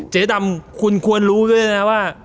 เจ๊ดำคุณควรรู้ด้วยนะว่า